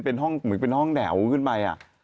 เป็นห้องแหมวขึ้นไปอะ